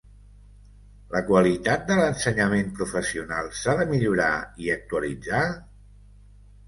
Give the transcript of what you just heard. La qualitat de l’ensenyament professional s’ha de millorar i actualitzar?